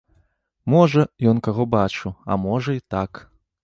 Можа, ён каго бачыў, а можа, і так.